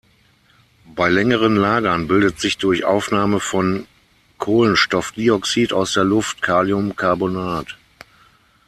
Bei längerem Lagern bildet sich durch Aufnahme von Kohlenstoffdioxid aus der Luft Kaliumcarbonat.